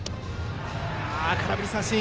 空振り三振。